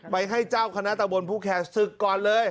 ให้เจ้าคณะตะบนผู้แคร์ศึกก่อนเลย